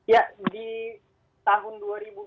ya di tahun dua ribu dua puluh